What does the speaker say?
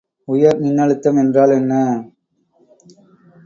உயர்மின்னழுத்தம் என்றால் என்ன?